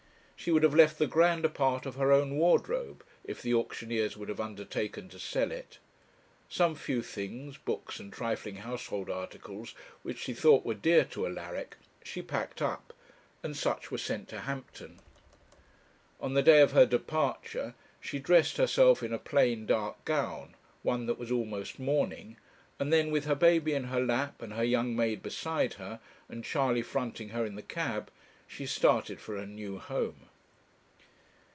She would have left the grander part of her own wardrobe, if the auctioneers would have undertaken to sell it. Some few things, books and trifling household articles, which she thought were dear to Alaric, she packed up; and such were sent to Hampton. On the day of her departure she dressed herself in a plain dark gown, one that was almost mourning, and then, with her baby in her lap, and her young maid beside her, and Charley fronting her in the cab, she started for her new home.